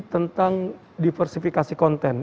tentang diversifikasi konten